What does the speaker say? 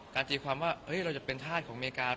ตีความว่าเราจะเป็นธาตุของอเมริกา